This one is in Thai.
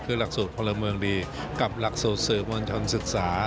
คือหลักสูตรพลเมืองดีกับหลักสูตรสื่อมวลชนศึกษา